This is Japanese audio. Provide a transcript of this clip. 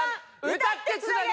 歌ってつなげ！